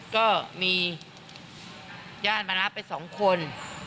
ก็มีญาติมารับไป๒คน